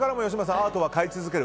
アートは買い続ける？